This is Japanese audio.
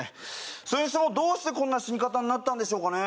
それにしてもどうしてこんな死に方になったんでしょうかね